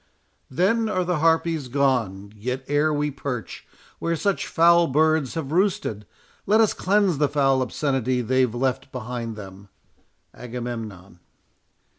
Then are the harpies gone—Yet ere we perch Where such foul birds have roosted, let us cleanse The foul obscenity they've left behind them. AGAMEMNON.